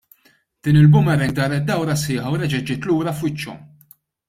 Din il-boomerang daret dawra sħiħa u reġgħet ġiet lura f'wiċċhom!